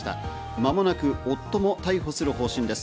間もなく夫も逮捕する方針です。